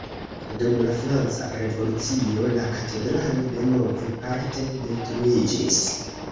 Dum la Franca Revolucio la katedralo denove parte detruiĝis.